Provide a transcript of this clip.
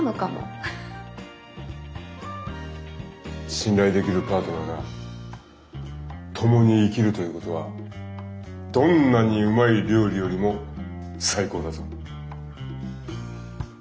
信頼できるパートナーが共に生きるということはどんなにうまい料理よりも最高だぞ。